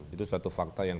itu satu fakta yang